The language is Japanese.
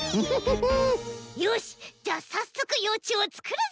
よしっじゃあさっそくようちゅうをつくるぞ！